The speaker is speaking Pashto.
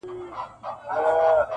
پوهېده په ښو او بدو عاقلان سوه,